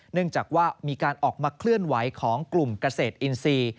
เนื่องจากว่ามีการออกมาเคลื่อนไหวของกลุ่มเกษตรอินทรีย์